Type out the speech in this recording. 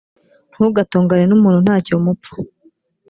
ntugatongane n’umuntu nta cyo mupfa